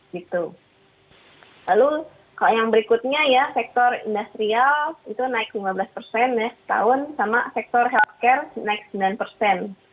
lalu kalau yang berikutnya ya sektor industrial itu naik lima belas persen setahun sama sektor healthcare naik sembilan persen